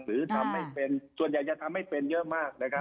หรือทำไม่เป็นส่วนใหญ่จะทำให้เป็นเยอะมากนะครับ